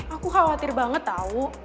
aku khawatir banget tau